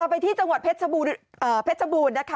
ไปที่จังหวัดเพชรบูรณ์นะคะ